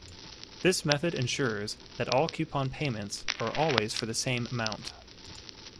This method ensures that all coupon payments are always for the same amount.